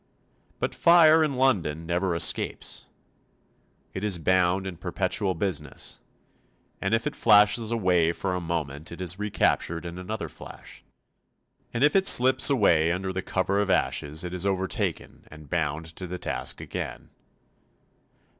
But fire in London never escapes. It is bound in perpetual business, and if it flashes away for a moment it is recaptured in another flash, and if it slips away under cover of ashes it is overtaken and bound to the task again.